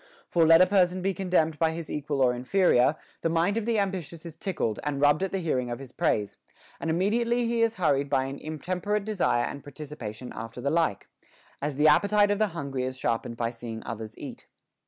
For let a person be commended by his equal or inferior, the mind of the ambitious is tickled and rubbed at the hearing of his praise, and immediately he is hurried by an intemperate desire and precipitation after the like ; as the appetite of the hungry is sharpened by seeing others eat.